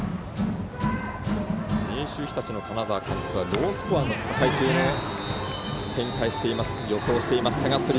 明秀日立の金沢監督はロースコアの展開というのを予想していました。